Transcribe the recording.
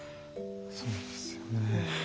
そうですよね。